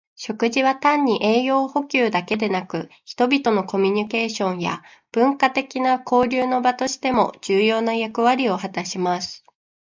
食事は単に栄養補給だけでなく、人々のコミュニケーションや文化的な交流の場としても重要な役割を果たします。